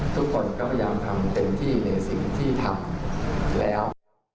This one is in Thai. ทุกคนก็พยายามทำเต็มที่ในสิ่งที่ทำแล้ว